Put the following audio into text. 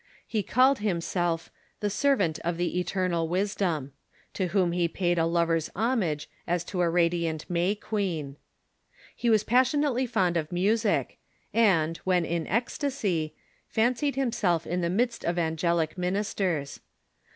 He called himself " the Servant of the Eternal Wisdom," to whom he paid a lover's homage, as to a radiant May queen. He was passionately fond of music, and, when in ecstasy, fancied him self in the midst of angelic ministers.